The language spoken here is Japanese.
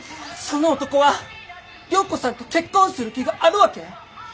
その男は良子さんと結婚する気があるわけ？